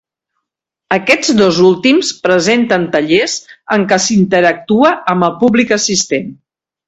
Aquests dos últims presenten tallers en què s'interactua amb el públic assistent.